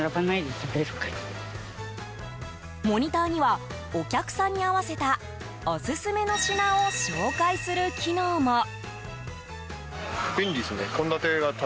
モニターにはお客さんに合わせたオススメの品を紹介する機能も。